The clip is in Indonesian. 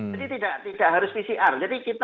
jadi tidak harus pcr jadi kita